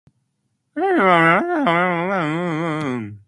It showed that all the prior preparation had paid off.